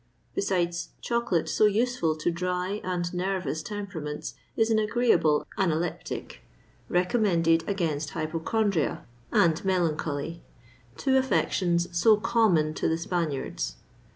Besides, chocolate, so useful to dry and nervous temperaments, is an agreeable analeptic, recommended against hypochondria and melancholy, two affections so common to the Spaniards.